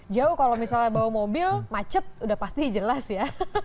jauh kalau misalnya bawa mobil macet udah pasti jelas ya